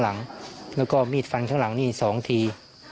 หลังแล้วก็มีดฟันข้างหลังนี่๒ที